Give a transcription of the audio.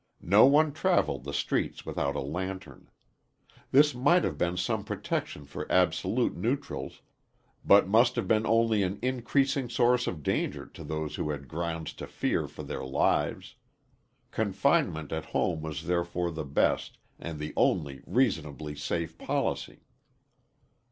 No one traveled the streets without a lantern. This might have been some protection for absolute neutrals, but must have been only an increasing source of danger to those who had grounds to fear for their lives. Confinement at home was therefore the best and the only reasonably safe policy.